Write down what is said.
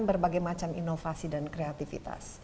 berbagai macam inovasi dan kreativitas